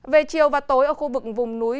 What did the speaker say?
về chiều và tối ở khu vực vùng núi